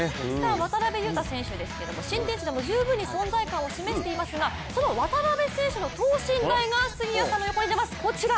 渡邊雄太選手ですけれども新天地でも十分存在感を示していますがその渡邊選手の等身大が、杉谷さんの横に出ます、こちら。